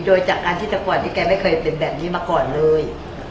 โดยจากการที่แต่ก่อนที่แกไม่เคยเป็นแบบนี้มาก่อนเลย